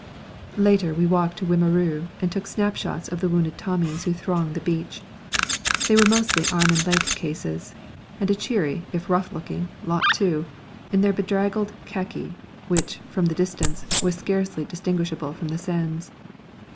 Later, we walked into Wimereux and took snapshots of the wounded Tommies who thronged the beach. They were mostly arm and leg cases, and a cheery, if rough looking, lot too, in their bedraggled khaki, which, from the distance, was scarcely distinguishable from the sands.